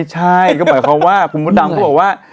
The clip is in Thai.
ใช่ก็หมายความว่าคุณมดดำก็บอกว่า